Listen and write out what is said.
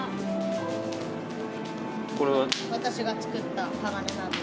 私が作った鋼なんです。